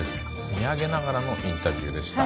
見上げながらのインタビューでした。